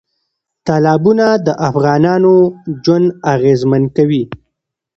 تالابونه د افغانانو ژوند اغېزمن کوي.